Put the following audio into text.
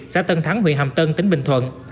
xã tân thắng huyện hàm tân tỉnh bình thuận